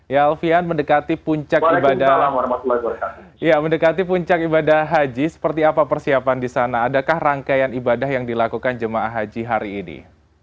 ya alfian mendekati puncak ibadah haji seperti apa persiapan di sana adakah rangkaian ibadah yang dilakukan jemaah haji hari ini